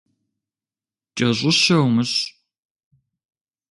Кӏэщӏыщэ умыщӏ.